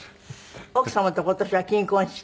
奥様と今年は金婚式。